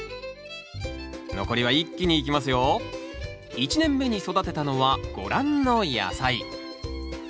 １年目に育てたのはご覧の野菜。